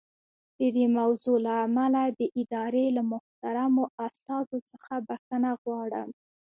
د دې موضوع له امله د ادارې له محترمو استازو څخه بښنه غواړم.